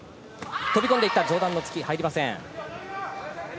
飛び込んでいった上段の突き、入りません。